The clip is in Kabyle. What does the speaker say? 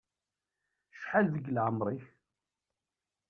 Cḥal deg laεmer-ik.